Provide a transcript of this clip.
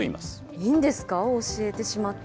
いいんですか、教えてしまって。